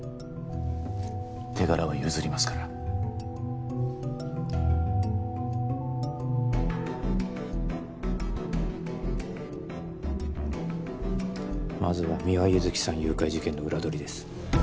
手柄は譲りますからまずは三輪優月さん誘拐事件の裏取りです